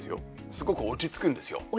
すごく落ち着くんですよ。